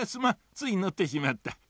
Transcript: ついのってしまったエヘ。